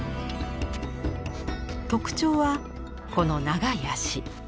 特徴はこの長い脚。